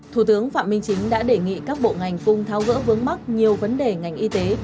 thủ tướng phạm minh chính đã đề nghị các bộ ngành cung thao gỡ vướng mắc nhiều vấn đề ngành y tế